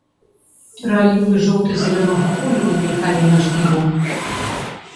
Пералівы жоўта-зялёнага колеру мільгалі над жнівом.